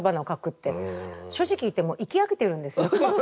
正直言ってもう行き飽きてるんですよ。